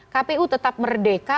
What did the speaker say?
kpu tetap merdeka